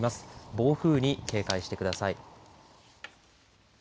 暴風に警戒してください。